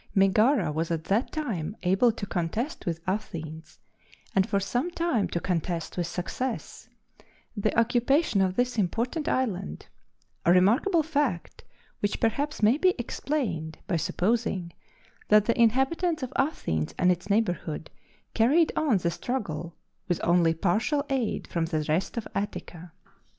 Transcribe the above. Megara was at that time able to contest with Athens, and for some time to contest with success, the occupation of this important island a remarkable fact, which perhaps may be explained by supposing that the inhabitants of Athens and its neighborhood carried on the struggle with only partial aid from the rest of Attica.